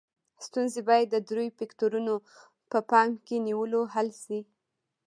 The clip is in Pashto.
ستونزې باید د دریو فکتورونو په پام کې نیولو حل شي.